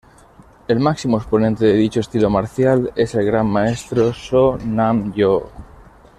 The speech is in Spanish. El máximo exponente de dicho estilo marcial es el gran maestro Soo Nam Yoo.